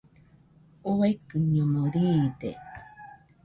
Uaikɨño riide.